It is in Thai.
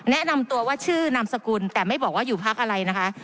แนะนำตัวว่าชื่อนามสกุลแต่ไม่บอกว่าอยู่พักอะไรนะคะ